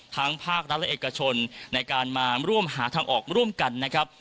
ภาครัฐและเอกชนในการมาร่วมหาทางออกร่วมกันนะครับ